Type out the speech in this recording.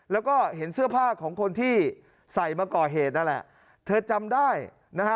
แล้วก็เห็นเสื้อผ้าของคนที่ใส่มาก่อเหตุนั่นแหละเธอจำได้นะฮะ